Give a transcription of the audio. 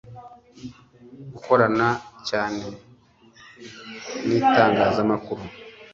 gukorana cyane n’itangazamakuru